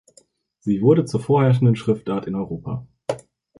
Sie wurde zur vorherrschenden Schriftart in Europa.